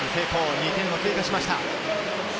２点を追加しました。